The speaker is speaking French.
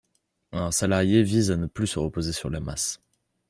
Un salarié vise à ne plus se reposer sur la masse.